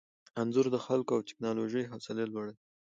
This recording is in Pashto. انځور د خلکو او ټیکنالوژۍ حوصله لوړوي.